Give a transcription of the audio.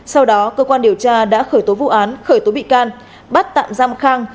sau đó cơ quan điều tra đã khởi tố vụ án khởi tố bị can bắt tạm giam khang